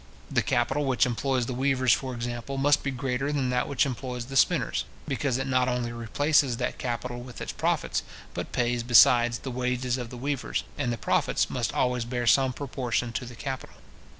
The capital which employs the weavers, for example, must be greater than that which employs the spinners; because it not only replaces that capital with its profits, but pays, besides, the wages of the weavers: and the profits must always bear some proportion to the capital.